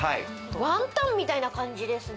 ワンタンみたいな感じですね。